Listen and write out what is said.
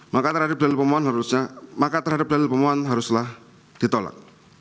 maka terhadap dalil pemohon haruslah ditolak